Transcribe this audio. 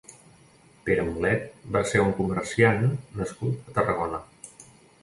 Pere Mulet va ser un comerciant nascut a Tarragona.